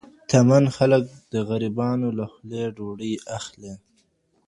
شتمن خلګ د غریبانو له خولې ډوډۍ اخلي.